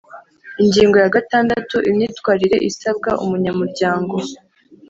Ingingo ya gatandatu: Imyitwarire isabwa umunyamuryango